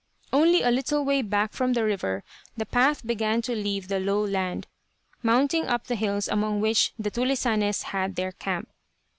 Only a little way back from the river the path began to leave the low land, mounting up to the hills among which the "tulisanes" had their camp.